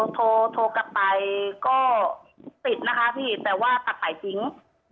โทรกลับไปก็ติดนะคะพี่แต่ว่าตัดสายทิ้ง